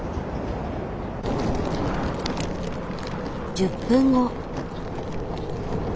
１０分後。